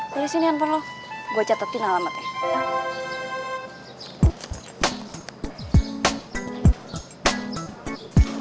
dari sini yang perlu gue catetin alamatnya